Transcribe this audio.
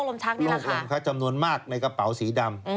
ราคาก็จำนวนมากในกระเป๋าสีดำ